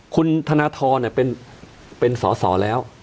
คุณธนทรเนี่ยเป็นเป็นสอสอแล้ว